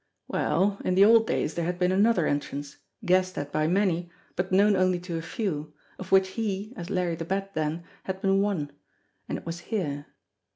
Well, in the old days there had been another entrance, guessed at by many, but known only to a few, of which he, as Larry the Bat then, had been one and it was here.